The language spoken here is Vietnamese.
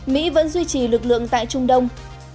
mỹ vẫn duy trì lực lượng tại trung đông